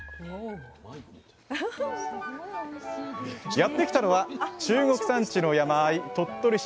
やって来たのは中国山地の山あい鳥取市